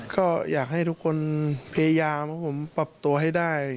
ก็อยากให้ทุกคนพยายามให้ผมปรับตัวให้ได้